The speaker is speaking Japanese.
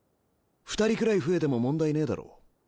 ２人くらい増えても問題ねぇだろ。